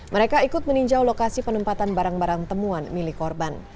mereka ikut meninjau lokasi penempatan barang barang temuan milik korban